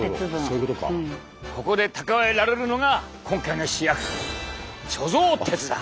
ここで蓄えられるのが今回の主役貯蔵鉄だ！